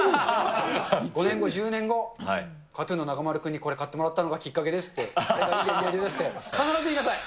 ５年後、１０年後、ＫＡＴーＴＵＮの中丸君にこれ買ってもらったのがきっかけですって、それがいい思い出ですって、必ず言いなさい。